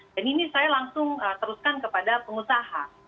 dan ini saya langsung teruskan kepada pengusaha